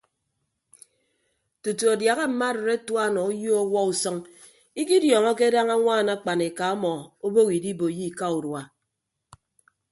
Tutu adiaha mma arịd atua nọ uyo ọwuọ usʌñ ikidiọọñọke daña añwaan akpan eka ọmọ obooho idiboiyo ika urua.